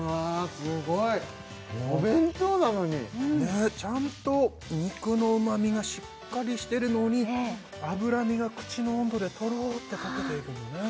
すごいお弁当なのにねちゃんと肉の旨みがしっかりしてるのに脂身が口の温度でとろって溶けていくのね